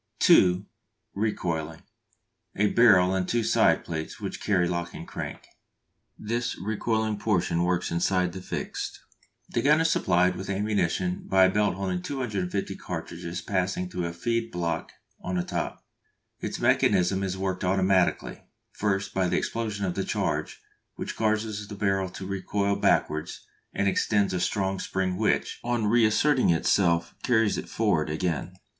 (2) Recoiling: a barrel and two side plates which carry lock and crank. This recoiling portion works inside the fixed. The gun is supplied with ammunition by a belt holding 250 cartridges passing through a feed block on the top. Its mechanism is worked automatically; first by the explosion of the charge, which causes the barrel to recoil backwards and extends a strong spring which, on reasserting itself, carries it forwards again.